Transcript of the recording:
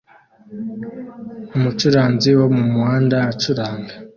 Umucuranzi wo mumuhanda acuranga